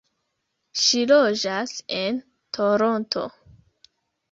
Ŝi loĝas en Toronto.